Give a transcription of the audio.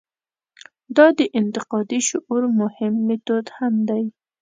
دا د انتقادي شعور مهم میتود هم دی.